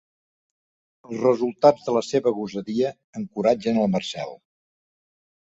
Els resultats de la seva gosadia encoratgen el Marcel.